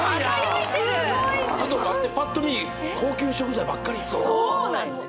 すごいなちょっと待ってパッと見高級食材ばっかりやんそうなんです